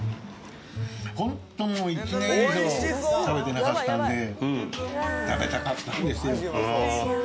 ホントもう１年以上食べてなかったので食べたかったんですよ。